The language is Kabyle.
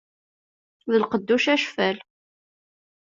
D lqedd ucacfel.